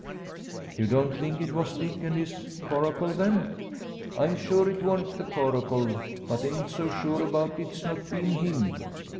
"You don't think it was Dick and his coracle, then?" "I'm sure it worn't the coracle, but ain't so sure about its not bein' him.